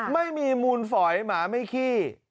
ไม่มีมูลฝอยหมาไม่ขี้